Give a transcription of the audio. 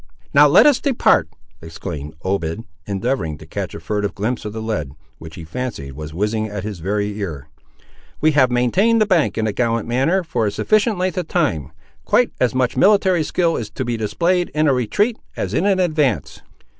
"Now let us depart!" exclaimed Obed, endeavouring to catch a furtive glimpse of the lead, which he fancied was whizzing at his very ear; "we have maintained the bank in a gallant manner, for a sufficient length of time; quite as much military skill is to be displayed in a retreat, as in an advance."